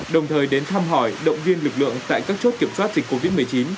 đồng thời đến thăm hỏi động viên lực lượng tại các chốt kiểm soát dịch covid một mươi chín